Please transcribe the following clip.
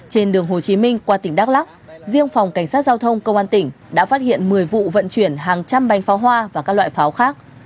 trên đường hồ chí minh qua tỉnh đắk lắc riêng phòng cảnh sát giao thông công an tỉnh đã phát hiện một mươi vụ vận chuyển hàng trăm bánh pháo hoa và các loại pháo khác